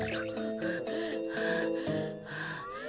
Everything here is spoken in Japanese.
はあはあ。